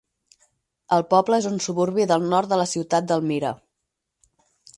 El poble és un suburbi del nord de la ciutat d'Elmira.